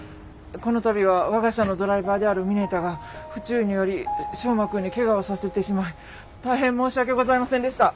この度は我が社のドライバーである峯田が不注意により翔真くんにけがをさせてしまい大変申し訳ございませんでした。